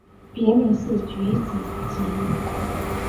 别名是菊子姬。